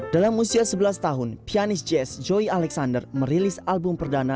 dalam usia sebelas tahun pianis jazz joy alexander merilis album perdana